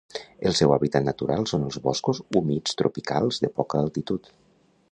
El seu hàbitat natural són els boscos humits tropicals de poca altitud.